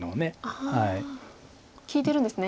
聞いてるんですね。